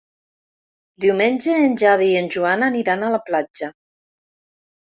Diumenge en Xavi i en Joan aniran a la platja.